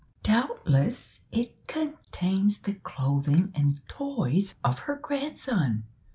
Doubtless it contains the clothing and toys of her grandson.